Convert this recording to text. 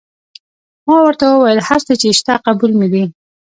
ما ورته وویل: هر څه چې شته قبول مو دي.